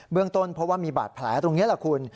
เรื่องต้นเพราะว่ามีบาดแผลตรงนี้แหละคุณ